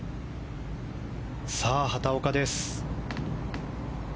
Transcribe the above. さあ、畑岡です。